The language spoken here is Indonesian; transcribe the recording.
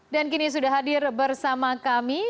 dan kini sudah hadir bersama kami